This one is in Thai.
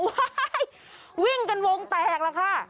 ว้ายวิ่งกันวงแตกแล้วค่ะ